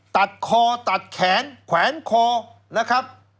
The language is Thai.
ตัดคอตัดแขนแขวนคอนะครับ